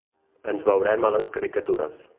Ens veurem a les caricatures.